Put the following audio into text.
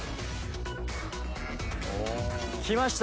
きました！